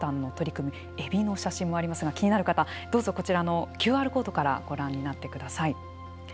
えびの写真もありますが気になる方どうぞこちらのＱＲコードからご覧になってください。